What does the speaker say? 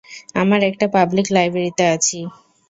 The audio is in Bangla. আমরা একটা পাবলিক লাইব্রেরিতে আছি!